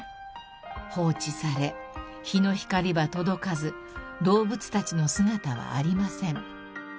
［放置され日の光は届かず動物たちの姿はありません］